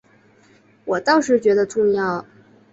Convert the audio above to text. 我倒是觉得重要